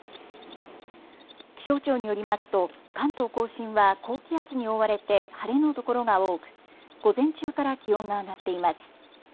気象庁によりますと関東甲信は高気圧に覆われて晴れの所が多く午前中から気温が上がっています。